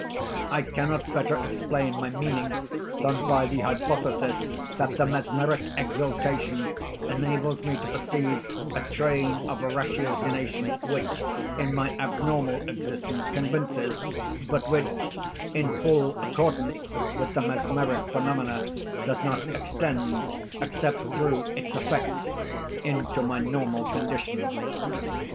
I cannot better explain my meaning than by the hypothesis that the mesmeric exaltation enables me to perceive a train of ratiocination which, in my abnormal existence, convinces, but which, in full accordance with the mesmeric phenomena, does not extend, except through its effect, into my normal condition.